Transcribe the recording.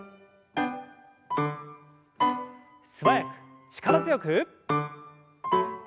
素早く力強く。